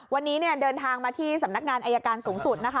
วันนี้เดินทางมาที่สำนักงานอายการสูงสุดนะคะ